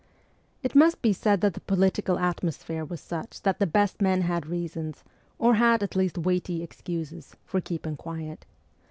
It must be said that the political atmosphere was such that the best men had reasons, or had at least weighty excuses, for keeping quiet.